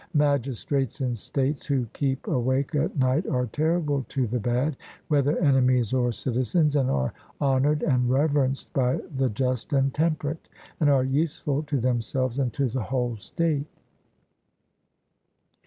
Magistrates in states who keep awake at night are terrible to the bad, whether enemies or citizens, and are honoured and reverenced by the just and temperate, and are useful to themselves and to the whole state.